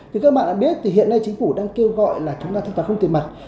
thưa các bạn đã biết hiện nay chính phủ đang kêu gọi là chúng ta tham gia công ty mặt